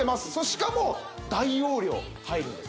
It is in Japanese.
しかも大容量入るんですね